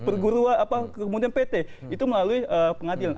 perguruan apa kemudian pt itu melalui pengadilan